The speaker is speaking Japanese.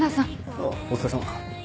あぁお疲れさま。